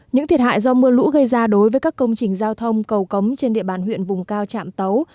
những thiệt hại do mưa lũ gây ra đối với các công trình giao thông cầu cống trên địa bàn huyện vùng cao trạm tấu